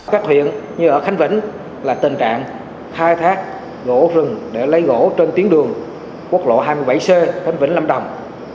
các huyện như ở khánh vĩnh là tình trạng khai thác gỗ rừng để lấy gỗ trên tuyến đường quốc lộ hai mươi bảy c khánh vĩnh lâm đồng